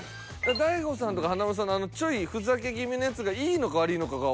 大悟さんとか華丸さんのあのちょいふざけ気味のやつがいいのか悪いのかが。